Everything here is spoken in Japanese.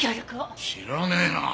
知らねえな。